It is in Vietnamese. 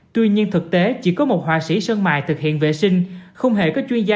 tuy nhiên thực tế chỉ có một họa sĩ sơn mài thực hiện vệ sinh không hề có chuyên gia